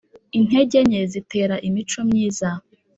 Intege nke zitera imico myiza.